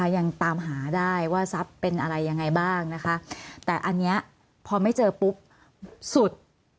ยังตามหาได้ว่าทรัพย์เป็นอะไรยังไงบ้างนะคะแต่อันนี้พอไม่เจอปุ๊บสุด